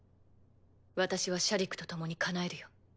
私はシャディクと共にかなえるよ